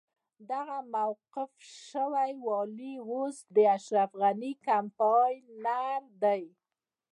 دغه موقوف شوی والي اوس د اشرف غني کمپاينر دی.